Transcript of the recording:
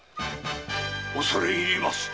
恐れ入ります。